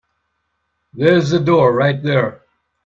There's the door right there.